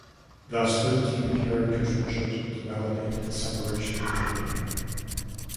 Thus, thirteen characters were chosen to validate the separation of genera.